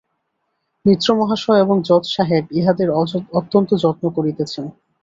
মিত্র মহাশয় এবং জজ সাহেব ইহাদের অত্যন্ত যত্ন করিতেছেন।